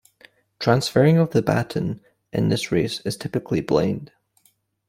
Transferring of the baton in this race is typically blind.